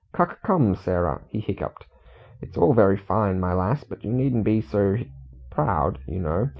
"Cuc come, Sarah," he hiccuped. "It's all very fine, my lass, but you needn't be so hic proud, you know.